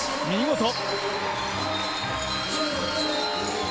見事。